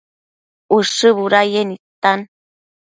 Ushë budayec nidtan